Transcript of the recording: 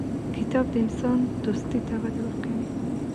کتاب د انسان دوستي ته وده ورکوي.